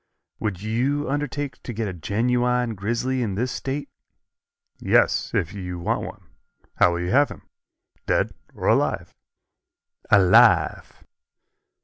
"Would you undertake to get a genuine grizzly in this State?" "Yes, if you want one. How will you have him dead or alive?" "Alive."